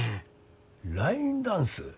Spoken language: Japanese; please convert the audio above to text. ラインダンス？